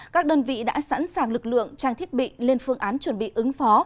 các đơn vị đã sẵn sàng lực lượng trang thiết bị lên phương án chuẩn bị ứng phó